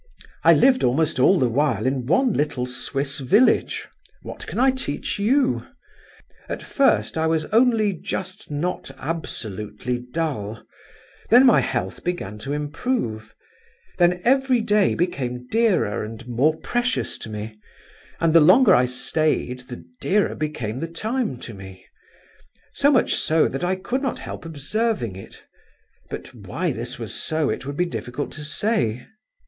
"I lived almost all the while in one little Swiss village; what can I teach you? At first I was only just not absolutely dull; then my health began to improve—then every day became dearer and more precious to me, and the longer I stayed, the dearer became the time to me; so much so that I could not help observing it; but why this was so, it would be difficult to say."